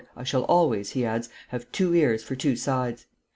"I shall always," he adds, "have two ears for two sides."